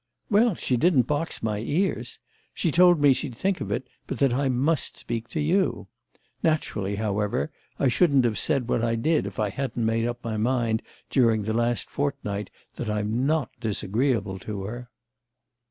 "Well, she didn't box my ears. She told me she'd think of it, but that I must speak to you. Naturally, however, I shouldn't have said what I did if I hadn't made up my mind during the last fortnight that I'm not disagreeable to her."